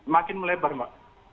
makin melebar mbak